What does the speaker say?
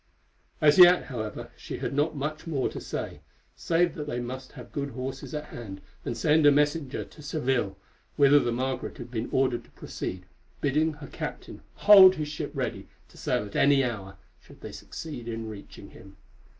As yet, however, she had not much more to say, save that they must have good horses at hand, and send a messenger to Seville, whither the Margaret had been ordered to proceed, bidding her captain hold his ship ready to sail at any hour, should they succeed in reaching him.